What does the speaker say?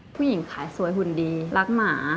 ผู้หญิงขายสวยหุ่นดีรักหมา